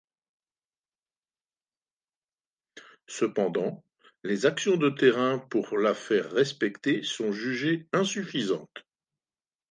Cependant, les actions de terrain pour la faire respecter sont jugées insuffisantes.